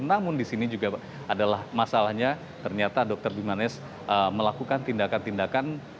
namun disini juga adalah masalahnya ternyata dr bimanesh melakukan tindakan tindakan